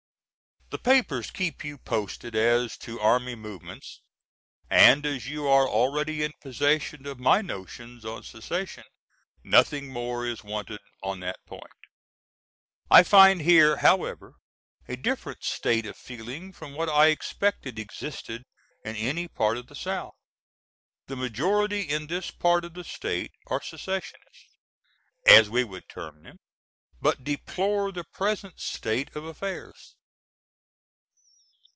The papers keep you posted as to army movements, and as you are already in possession of my notions on secession nothing more is wanted on that point. I find here however a different state of feeling from what I expected existed in any part of the South. The majority in this part of the State are secessionists, as we would term them, but deplore the present state of affairs.